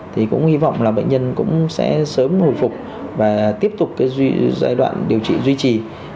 thì cũng hy vọng là bệnh nhân cũng sẽ sớm hồi phục và tiếp tục cái giai đoạn điều trị duy trì